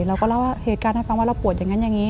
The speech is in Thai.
เราก็เล่าเหตุการณ์ให้ฟังว่าเราปวดอย่างนั้นอย่างนี้